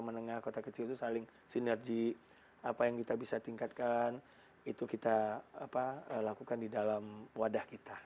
menengah kota kecil itu saling sinergi apa yang kita bisa tingkatkan itu kita lakukan di dalam wadah kita